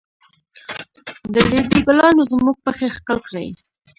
د ريدي ګلانو زموږ پښې ښکل کړې.